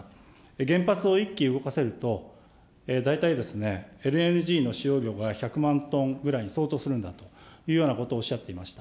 原発を１基動かせると、大体ＬＮＧの使用量が１００万トンぐらいに相当するんだというようなことをおっしゃっていました。